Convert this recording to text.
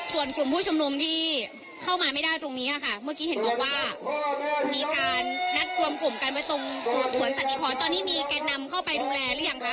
ส่วนกลุ่มผู้ชุมนุมที่เข้ามาไม่ได้ตรงนี้ค่ะเมื่อกี้เห็นบอกว่ามีการนัดรวมกลุ่มกันไว้ตรงสวนสันติพรตอนนี้มีแก่นำเข้าไปดูแลหรือยังคะ